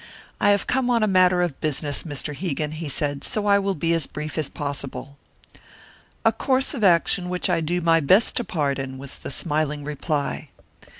"I have come on a matter of business, Mr. Hegan," he said. "So I will be as brief as possible." "A course of action which I do my best to pardon," was the smiling reply.